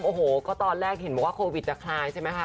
โอ้โหก็ตอนแรกเห็นบอกว่าโควิดจะคลายใช่ไหมคะ